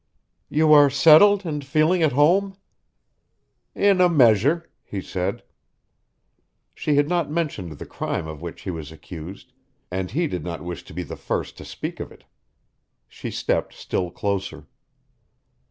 "You are settled and feeling at home?" "In a measure," he said. She had not mentioned the crime of which he was accused, and he did not wish to be the first to speak of it. She stepped still closer.